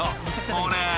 これ！